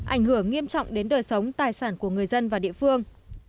ảnh hưởng nghiêm trọng đến đời sống tài sản của người dân và địa phương